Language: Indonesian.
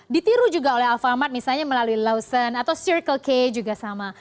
ditiru juga oleh alfamart misalnya melalui lausen atau circle k juga sama